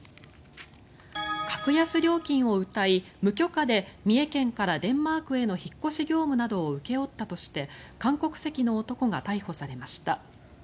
格安料金をうたい無許可で三重県からデンマークへの引っ越し業務などを請け負ったとして韓国籍の男が逮捕されました。